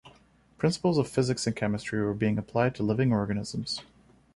Principles of physics and chemistry were being applied to living organisms.